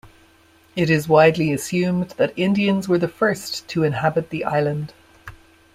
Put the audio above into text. It is widely assumed that Indians were the first to inhabit the island.